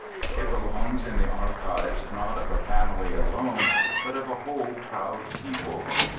It belongs in the archives not of a family alone, but of a whole proud people.